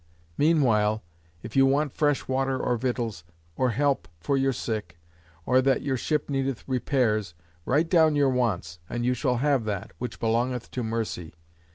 Meanwhile, if you want fresh water or victuals, or help for your sick, or that your ship needeth repairs, write down your wants, and you shall have that, which belongeth to mercy.